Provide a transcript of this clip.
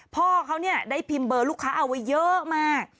พ่อเขาได้พิมพ์เบอร์ลูกค้าเอาไว้เยอะมาก